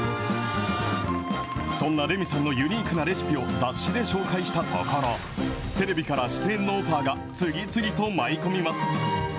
そんなレミさんのユニークなレシピを雑誌で紹介したところ、テレビから出演のオファーが次々と舞い込みます。